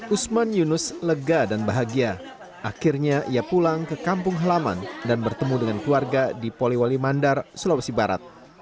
usman yunus lega dan bahagia akhirnya ia pulang ke kampung halaman dan bertemu dengan keluarga di poliwali mandar sulawesi barat